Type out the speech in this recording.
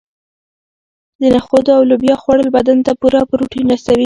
د نخودو او لوبیا خوړل بدن ته پوره پروټین رسوي.